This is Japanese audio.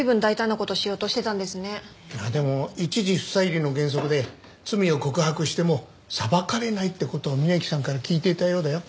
でも一事不再理の原則で罪を告白しても裁かれないって事を峯木さんから聞いていたようだよ。